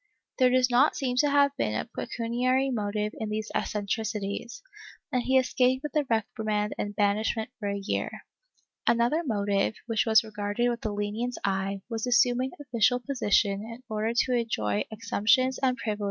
There does not seem to have been a pecuniary motive in these eccentricities, and he escaped with a reprimand and banishment for a year.' Another motive, which was regarded with a lenient eye, was assuming official position in order to enjoy the exemptions and privileges of the * Miscelanea de Zapata (Mem.